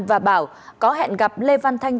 và bảo có hẹn gặp lê văn thanh